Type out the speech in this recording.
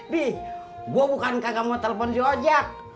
di gue bukan kagak mau telepon sojak